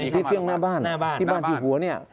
ที่เฟี่ยงหน้าบ้านหน้าบ้านที่บ้านที่หัวเนี่ย